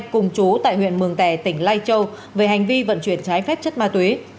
cùng chú tại huyện mường tè tỉnh lai châu về hành vi vận chuyển trái phép chất ma túy